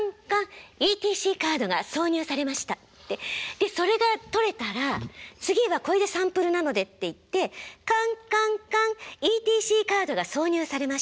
でそれがとれたら次は「これでサンプルなので」って言って「かんかんかん」「ＥＴＣカードが挿入されました。